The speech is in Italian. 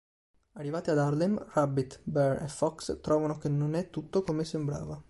Arrivati ad Harlem, Rabbit, Bear, e Fox trovano che non è tutto come sembrava.